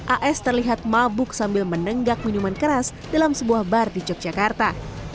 as terlihat mabuk sambil menenggak minuman keras dalam sebuah bar di yogyakarta